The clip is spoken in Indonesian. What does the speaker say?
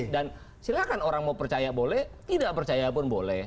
dan silahkan orang mau percaya boleh tidak percaya pun boleh